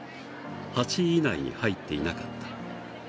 ８位以内に入っていなかった。